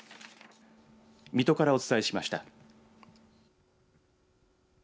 水戸からお伝えしました。